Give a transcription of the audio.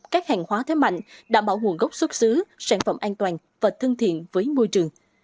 các hàng hóa thế mạnh đảm bảo nguồn gốc xuất xứ sản phẩm an toàn và thân thiện với môi trường